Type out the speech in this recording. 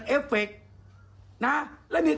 สายลูกไว้อย่าใส่